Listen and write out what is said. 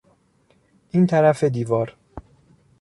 این طرف دیوار